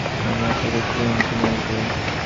আমি আশা করছিলাম তুমি আসবে।